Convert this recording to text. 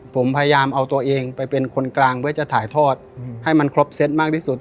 ผมพยายามเอาตัวเองไปเป็นคนกลางเพื่อจะถ่ายทอดให้มันครบเซตมากที่สุด